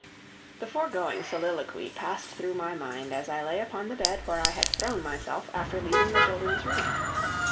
The foregoing soliloquy passed through my mind as I lay upon the bed where I had thrown myself after leaving the children's room.